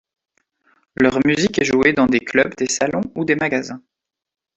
Leur musique est joué dans des clubs, des salons ou des magasins.